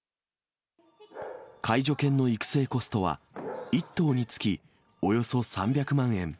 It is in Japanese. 介助犬の育成コストは、１頭につきおよそ３００万円。